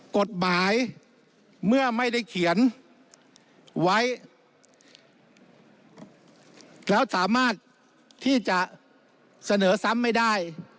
กฎหมายเมื่อไม่ได้เขียนไว้แล้วสามารถที่จะเสนอซ้ำไม่ได้